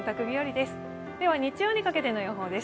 では日曜にかけての予想です。